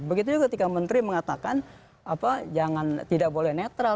begitu juga ketika menteri mengatakan tidak boleh netral